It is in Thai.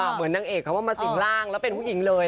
นางเอกเขาว่ามาสิ่งร่างแล้วเป็นผู้หญิงเลย